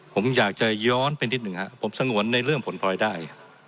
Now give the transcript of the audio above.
ผมอยากจะย้อนไปนิดหนึ่งครับผมสงวนในเรื่องผลพลอยได้